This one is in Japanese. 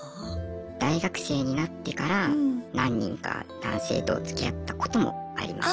大学生になってから何人か男性とつきあったこともありましたね。